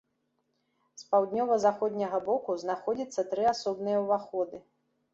З паўднёва-заходняга боку знаходзіцца тры асобныя уваходы.